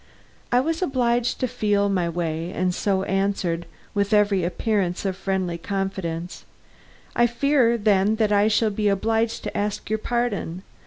I was obliged to feel my way and so answered, with every appearance of friendly confidence: "I fear then that I shall be obliged to ask your pardon.